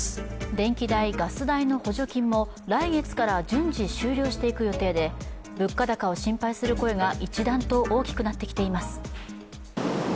電気代、ガス代の補助金も来月から順次終了していく予定で物価高を心配する声が一段と大きくなってきています。